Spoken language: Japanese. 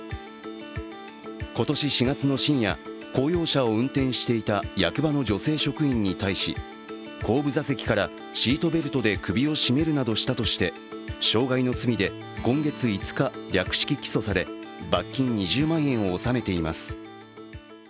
今年４月の深夜、公用車を運転していた役場の女性職員に対し後部座席からシートベルトで首を絞めるなどしたとして傷害の罪で今月５日略式起訴され、罰金２０万円を納めています。